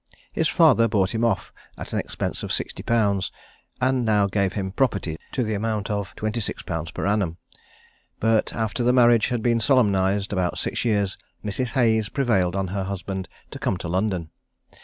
His father bought him off at an expense of 60_l._, and now gave him property to the amount of about 26_l._ per annum; but after the marriage had been solemnised about six years, Mrs. Hayes prevailed on her husband to come to London.